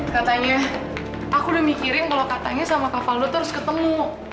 katanya aku udah mikirin kalau katanya sama kavaldo terus ketemu